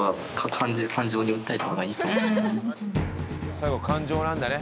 最後感情なんだね。